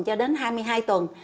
cho đến hai mươi hai tuần